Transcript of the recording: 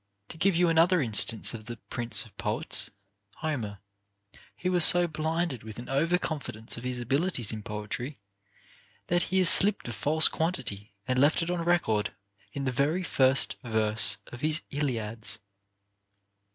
To give you another instance of the prince of poets, Homer ; he was so blinded with an over confidence of his abilities in poetry, that he has slipped a false quantity, and left it on record, in the very first verse of his Iliads.